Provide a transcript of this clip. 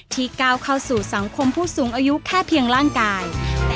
ก้าวเข้าสู่สังคมผู้สูงอายุแค่เพียงร่างกาย